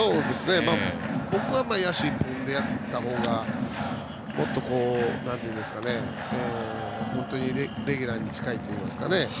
僕は、野手一本でやった方がもっとレギュラーに近いといいますかね。